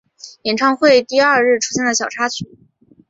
演唱会第二日出现了小插曲。